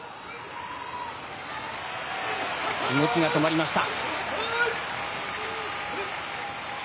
動きが止まりました。